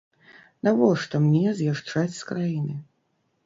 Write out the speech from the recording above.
Навошта мне з'язджаць з краіны?